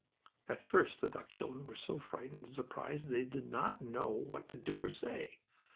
At first the duck children were so frightened and surprised that they did not know what to do or say.